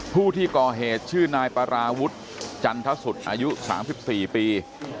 ผู้ที่ก่อเหตุชื่อนายปราวุฒิจันทสุทธิ์อายุ๓๔ปี